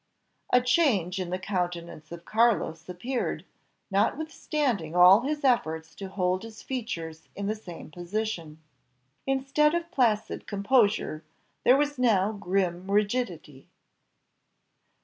A change in the countenance of Carlos appeared, notwithstanding all his efforts to hold his features in the same position; instead of placid composure there was now grim rigidity.